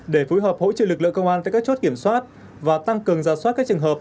để phối hợp hỗ trợ lực lượng công an tại các chốt kiểm soát và tăng cường giả soát các trường hợp